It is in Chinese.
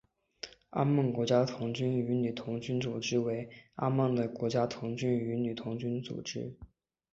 阿曼国家童军与女童军组织为阿曼的国家童军与女童军组织。